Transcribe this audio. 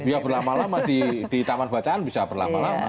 ya berlama lama di taman bacaan bisa berlama lama